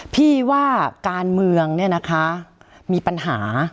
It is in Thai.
พี่ว่าการเมืองเนี่ยนะคะมีปัญหา